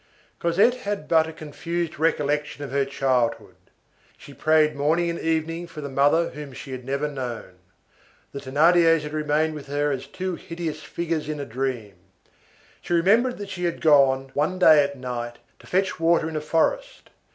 Cosette had but a confused recollection of her childhood. She prayed morning and evening for her mother whom she had never known. The Thénardiers had remained with her as two hideous figures in a dream. She remembered that she had gone "one day, at night," to fetch water in a forest.